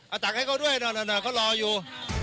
เอาตักให้เขาด้วยเขารออยู่